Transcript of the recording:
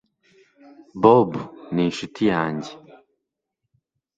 bob ni inshuti yanjye